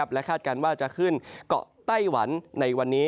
และคาดการณ์ว่าจะขึ้นเกาะไต้หวันในวันนี้